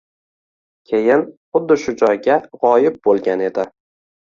keyin xuddi shu joyda g ‘oyib bo ‘Igan edi.